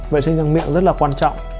vệ sinh răng miệng rất là quan trọng